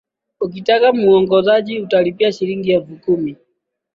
ukitaka muongozaji utalipia shilingi elfu kumi